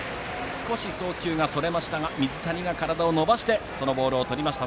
少し送球がそれましたがファーストの水谷が体を伸ばしてボールをとりました。